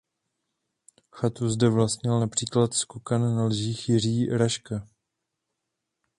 Chatu zde vlastnil například skokan na lyžích Jiří Raška.